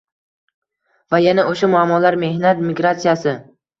va yana o‘sha muammolar: mehnat migratsiyasi